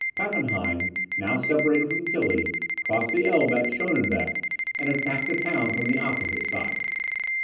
Pappenheim, now separated from Tilly, crossed the Elbe at Schonenbeck, and attacked the town from the opposite side.